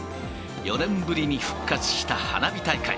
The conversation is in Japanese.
４年ぶりに復活した花火大会。